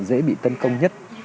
dễ bị tấn công nhất